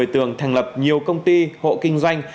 một mươi tường thành lập nhiều công ty hộ kinh doanh